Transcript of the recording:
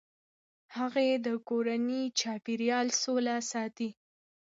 هغې د کورني چاپیریال سوله ساتي.